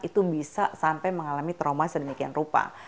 itu bisa sampai mengalami trauma sedemikian rupa